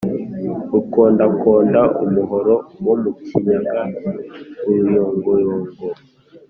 Rukondakonda umuhoro wo mu Kinyaga-Uruyongoyongo.